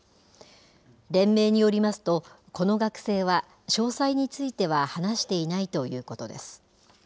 連盟によりますと、この学生は、詳細については話していないということです。